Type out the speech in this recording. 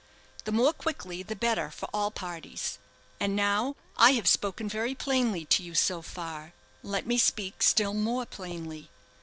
The more quickly the better for all parties. And now, I have spoken very plainly to you so far, let me speak still more plainly.